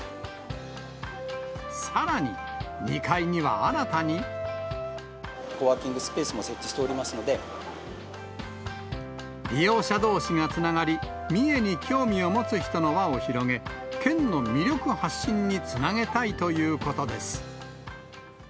さらに、コワーキングスペースも設置利用者どうしがつながり、三重に興味を持つ人の輪を広げ、県の魅力発信につなげたいということです。